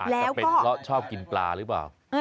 หางกับเป็นแล้วชอบกินปลาหรือเปล่า